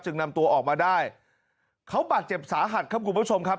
นำตัวออกมาได้เขาบาดเจ็บสาหัสครับคุณผู้ชมครับ